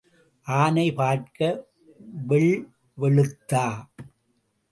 ஆனை பார்க்க வெள்வெழுத்தா?